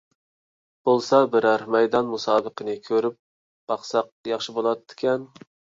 بولسا بىرەر مەيدان مۇسابىقىسىنى كۆرۈپ باقساق ياخشى بولاتتىكەن!